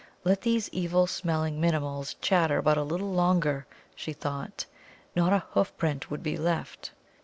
Let these evil smelling Minimuls chatter but a little longer, she thought; not a hoof print would be left.